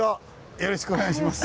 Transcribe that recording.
よろしくお願いします。